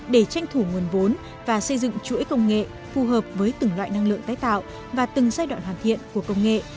để tranh thủ nguồn vốn và xây dựng chuỗi công nghệ phù hợp với từng loại năng lượng tái tạo và từng giai đoạn hoàn thiện của công nghệ